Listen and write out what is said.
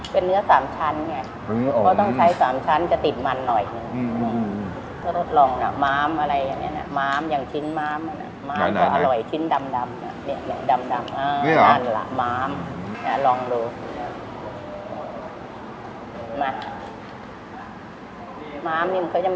เป็นเนื้อ๓ชั้นไงก็ต้องใช้๓ชั้นจะติดมันหน่อย